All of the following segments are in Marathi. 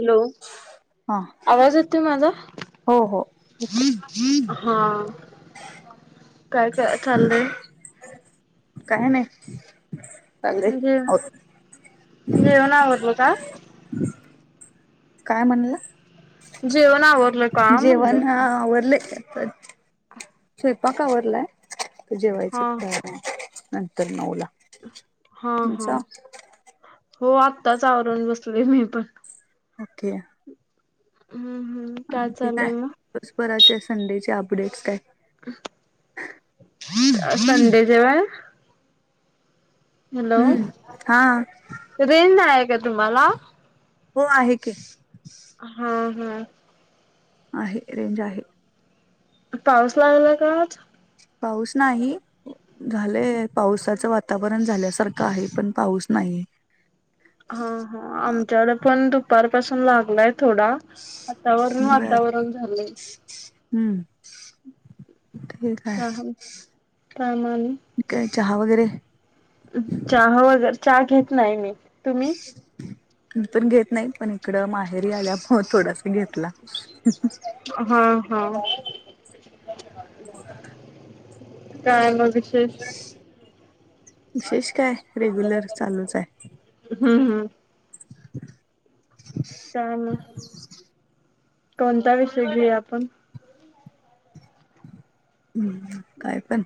हॅलो! हा आवाज य तोय माझा? हो हो येते हा काय काय. चाललंय? काय नाही. ले जे हो [inaudible] जेवण आवरलं का? काय म्हणलं. जेवण आवरलं का म्हणलं? जेवण हा आवरलं. स्वयंपाक आवरलाय आत हा जेवायचं. नंतर नऊ ला. हा हा हो आत्ताच आवरवरून बसले मी पण. ओके हम्म हम्म काय चाललंय मग? दिवभराचे संडेचे अपडेट्स. संडेच्या चे होय. हम्म हा रेंज नाही का तुम्हाला. हो आहे की हा हम्म आहे रेंज आहे पाऊस लागलाय का आज. पाऊस नाही. झालंय पावसाचं वातावरण झाल्यासारखं आहे पण पाऊस नाही. हा हा आमच्याकडे पण दुपारपासून लागलाय थोडा. वातावरण बर वातावरण झालंय. हम्म क काय मग अजून. काय चहा वगैरे, चहा वगैर चहा घेत नाही मी, तुम्ही? मी पण घेत नाही पण इकड माहेरी आल्या मग थोडासा घेतला. हम्म हा हा काय मग कशी विशेष काय रेग्युलर चालूच आहे? हम्म हम्म [inaudible] कान. [inaudible] कोणता विषय घेऊया आपण? काय पण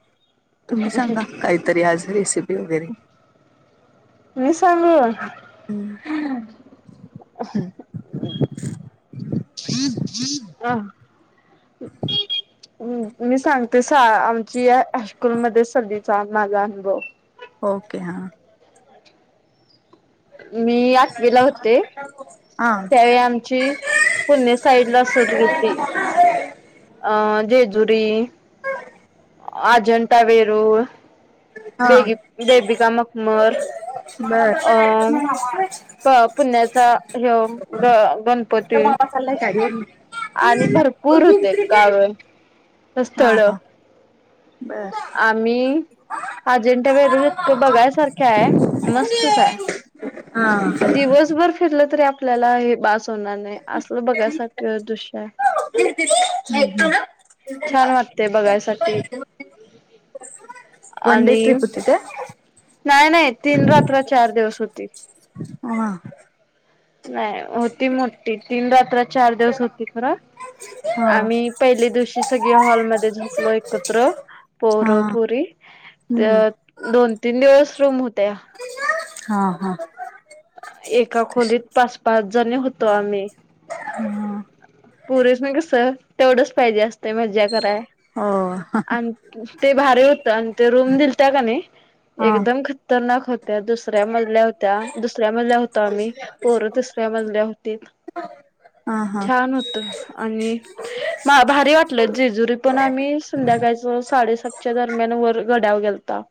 तुम्ही सांगा काहीतरी आज रेसिपी वगैरे. मी सांगू. हम्म हम्म हा [inaudible] मी सांगते सा आमची या हायस्कुल मध्ये सहलीचा माझा अनुभव. ओके हां. मी आठवीला होते हा त्यावेळी आमची. पुणे साईडला सहल गेलती अ जेजुरी, [unintelligible] अजंटा वेरूळ, हा बेबी बेबिका मकमर बर अं, पुण्याचा ह्यो ग गणपती. चाललंय साडी वर ही आणि भरपूर हुत्यात गाव, हा स्थळ. हा बर आम्ही अजेंठा वेरूळ इतकं बघाय सारख हाय मस्तच हाय. हां फिरलं तरी आपल्याला हे बास होणार नाही, असल बघायसारख दृश्य हाय. [unintelligible] छान वाटतय बघायसाठी ना. वन डे आणि ट्रिप होती काय? नाही नाही तीन रात्र चार दिवस होतीतं हां नाही होती मोठी, तीन रात्र, चार दिवस होती खरं हा आम्ही पहिल्या दिवशी सगळी हॉलमध्ये झोपलो एकत्र, हा पोरं-पुरी हम्म त्यात दोन, तीन दिवस रूम होत्या. हां हां एका खोलीत पाच, पाच जणी होतो आम्ही. हां पुरीसनी कसं, तेवढंच पाहिजे असतयं मज्जा कराय. हो हा आणि ते भारी होत आणि ते रूम दिलत्या णी हा एकदम खत तरनाक होत्या, दुसऱ्या मजल्यावर होत्या, दुसऱ्या मजल्यावर होतो आम्ही पोर तिसऱ्या मजल्यावर होतीत. हां हां छान होतं आणि भा, भारी वाटलं जेजुरी पण आम्ही संध्याकाळच साडेसातच्या दरम्यान वर गड्यावर गेलताव.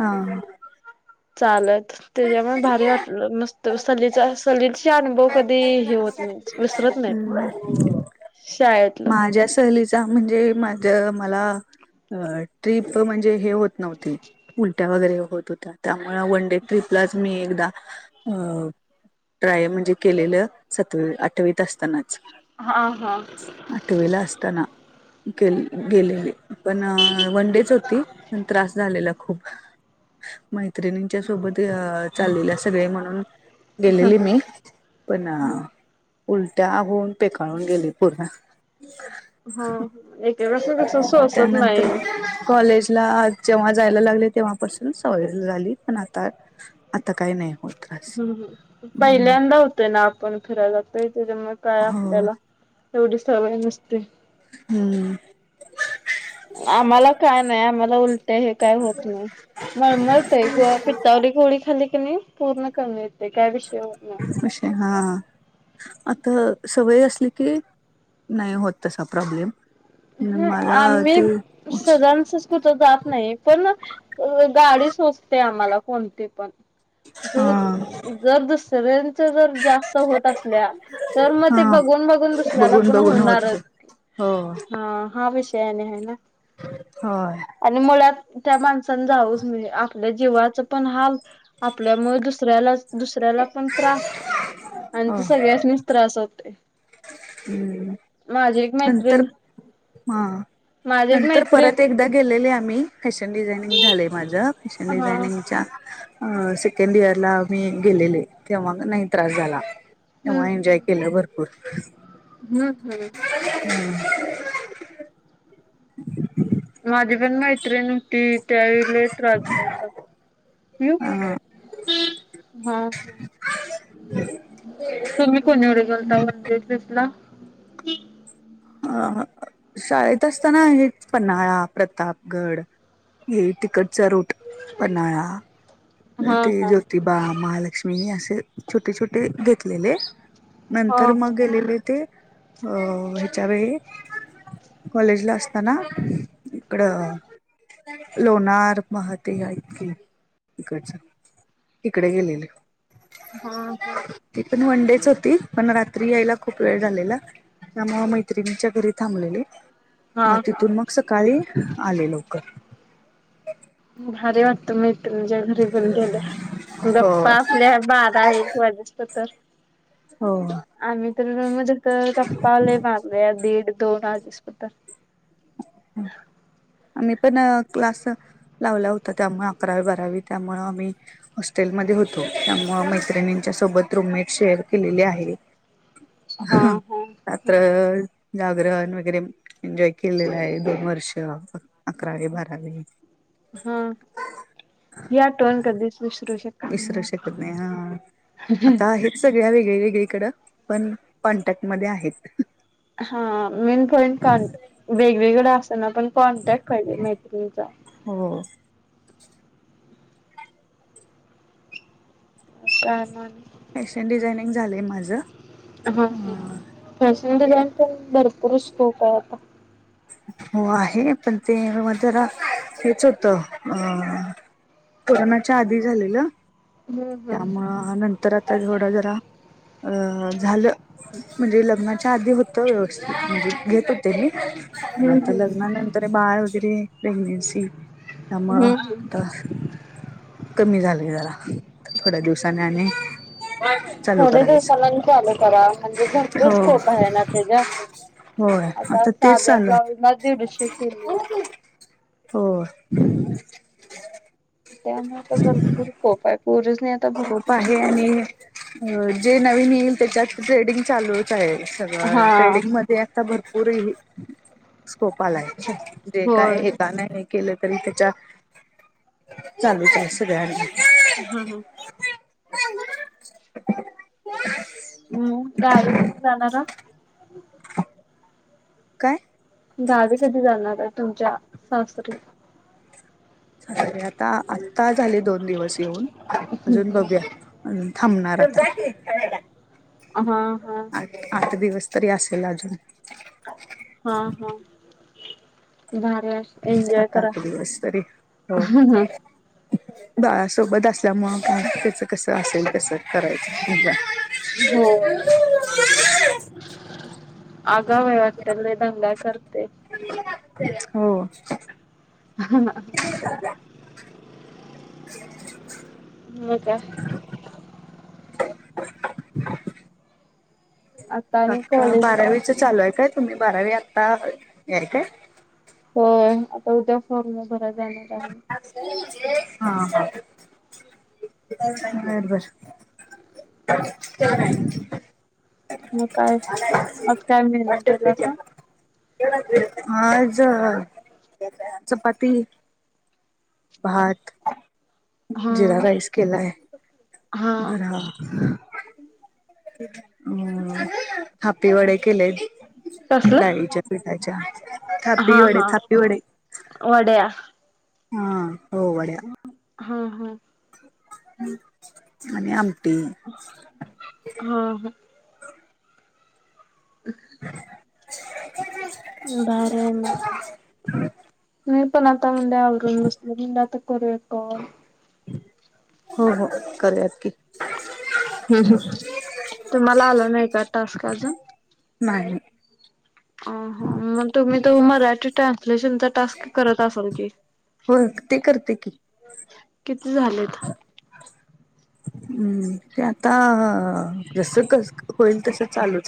हां चालत त्येज्यामुळ भारी वाटलं, मस्त सलीचा, सलीची अनुभव कधी हे होत नाही, विसरत नाहीत हम्म शाळेत. माझ्या सहलीचा म्हणजे माझ मला अ ट्रिप म्हणजे हे होत नव्हती उलट्या वगैरे होत होत्या, त्यामूळ वन डे ट्रिपलाच मी एकदा अ ट्राय म्हणजे केलेलं सातवी, आठवीत असतानाच. हां हां आठवीला असताना गे गेलेले. पण वन डेच होती त्रास झालेला. खूप, मैत्रिणींच्या सोबत चाललेल्या सगळे म्हणून गेलेली मी, पण उलट्या होऊन पेकाळून गेली पूर्ण. [unintelligible] हा, एकेकासनी असं सोचत त्यानंतर नाही. कॉलेजला जेव्हा जायला लागले तेव्हापासून सवय झाली पण आता आता काही नाही होतं हम्, हम पहिल्यांदा होतोय ना आपण फिरायला जातोय त्येज्यामुळ काय हो आपल्याला तेवढी सवय नसते. हम्म आम्हाला काय नाही आम्हाला उलट्या हे काय होत नाही. मळमळतय गं पित्तावली गोळी खाली कणी पूर्ण कमी येतय काय विषय होत नाही. हा, आत सवय आसली की नाही होत तसा प्रॉब्लेम. ऊ हू मला आम्ही ते सहजानसज कुठ जात नाही पण गाडी सोचते आम्हाला कोणती पण. आसं हा उ जर दुसऱ्यांच जर जास्त होत आसल्या तर म ते हा बघून बघून दुसऱ्याला बघून पण बघून होत होणारच. हो. हा हा विषय आणि हाय ना. होय. आणि मुळात त्या माणसान जावूच म्हणजे आपल्या जीवाच पण हाल, आपल्यामुळ दुसऱ्याला दुसऱ्याला पण त्रास आणि हो ते सगळ्यानीच त्रास होतय. हम्म, नंतर मैत्रिण हा माझी एक नंतर मैत्रिण परत एकदा गेलेले आम्ही फॅशन डिझायनिंग झालंय माझं, फॅशन हा डिझायनिंगच्या अ सेकंड इयरला मी गेलेले तेव्हा नाही त्रास झाला, तेव्हा एन्जॉय केलं भरपूर हू हू, हू, [inaudible] माझी पण मैत्रीण होती त्यावेळी लई त्रास झालता. पियू अ हा हा, तुम्ही कुणीकड गेलता वन डे ट्रीपला? ह शाळेत असताना हेच पन्हाळा, प्रतापगड ये तिकटचा रूट पन्हाळा हा ते हा ज्योतिबा, महालक्ष्मीनी आस छोटे छोटे घेतलेले हा नंतर हा मग गेलेले ते अ हेच्यावेळी कॉलेजला आसताना इकड लोणार महते हे आहेत कीे इकडच तिकडे गेलेलो. हा हा, ती पण वन डेच होती पण, रात्री यायला खूप वेळ झालेला त्यामुळ मैत्रिणीच्या घरी थांबलेले. म हा हा तिथून मग सकाळी आले लवकर. भारी वाटत मैत्रिणीच्या घरी घून गेल्या हो गप्पा आपल्या बारा एक वाजूस्व पतर. हो, आम्ही तर रूम मध्ये तर गप्पा लई मारल्या दीड दोन वाजूसपतर. आम्ही पण क्लास लावला होता त्यामुळ आकरावी बारावी त्यामुळ आम्ही हॉस्टेलमध्ये होतो, त्यामुळ मैत्रिणींच्या सोबत रूममेट शेअर केलेली आहे. [inaudible] हा आ तर जागरण वगैरे एन्जॉय केलेलं आहे दोन वर्ष अकरावी, बारावी. हा ही आठवण कधीच विसरू शकत. नाही. विसरू शकत नाही हा आता हेच सगळ्या वेगळी वेगळीकडं पण कॉन्टॅक्ट मध्ये आहेत. हा मेन पॉईंटॉन्ट वेगवेगळं असना पण कॉन्टॅक्ट पाहिजे मैत्रीण हो. हा ना फॅशन डिझायनिंग झालंय माझं. हा ह फॅशन डिझाईन पण भरपूर स्कोप आहे आता. हो आहे पण ते म जरा हेच होतं अ कोरोनाच्या आधी झालेलं हम्म हम्म त्यामुंळ नंतर आता थोडं जरा झालं म्हणजे लग्नाच्या आधी होय व्यवस्थित म्हणजे घेत हो ते मी हम्म आता हम्म लग् म नंतर बाळ वगैरे प्रेग्नेनसी त्यामुळे हम्म हम्म आता कमी झाले जरा थोड्या दिवसाने आणि चालू थोडे दिवसाला करायचं चालू करा म्हणजे भरपूर हो स्कोप आहे ना त्याच्यात. होय आता ते चाल ब्लाऊजला दिडशे केली. हो त्यामुळे तर भरपूर स्कोप आहे पूरीसनी खूप आहे आणि जे नवीन येईल त्याच्यात ट्रेडिंग चालूच आहे सगळं हा ट्रेडिंग म ते आता भरपूर ह स्कोप आलाय जे होय काय त्या नाही काय केलं तरी त्याच्या चालूच आहे सगळ्यांच. हा हा. हम् गावी कधी जाणारा? [inaudible] काय? गावी कधी जाणार आहे तुमच्या सासरी? आता आत्ता झाले दोन दिवस येऊन अजून बघूया. अ थांबणार आता. हा हा. आठ दिवस तरी असेल अजून. हा हा भारी आहे. एन्जॉय सात करा, आठ दिवस तरी हो हा. बाळासोबत असल्यामुळे त्याचं कसं असेल कसं करायचं एन्जॉय. हो. [inaudible] आगावय वाटत लय दंगा करतय. हो. हा ना. [unintelligible] हो काय? आता मग आणि आता कॉलेज बारावीच मध्ये चालू आहे काय, तुम्ही बारावी आत्ता याय काय? हो आता उद्या फॉर्मला भरायला जाणार आहे. हा, हा बरोबर. का [unintelligible] मग काय आज काय मेनू केलासा [unintelligible] आज चपाती. भात, हा जिरा राईस केलाय हा जरा. हम्म, थापी वड्या केल्यात. कसलं डाळीच्या पिटाच्या थापी हा वडे, हा थापी वडे. वड्या. हा, हो वड्या. हा, हा. आणि आमटी. हा, हा. [unintelligible] भारी हाय मग मग मी पण आता म्हणले आवरून बसले म्हणल आता करूया कॉल. हो हो करूयाकरूयात की. हम् हम्म, तुम्हाला आला नाही का टास्क अजून. नाही. अ मग तुम्ही तर मराठी ट्रान्सलेशनचा टास्क करत असाल की. बघ ते करते की. किती झालेत. हम्म ते आता जस कस होईल तस चालूच.